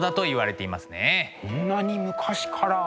こんなに昔から。